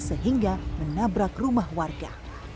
sehingga menabrak rumah warga